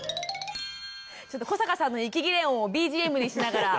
ちょっと古坂さんの息切れ音をＢＧＭにしながら。